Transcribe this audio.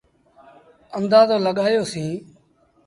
اندآزو لڳآيو سيٚݩ۔